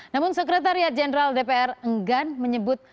namun sekretariat jenderal dpr enggan menyebut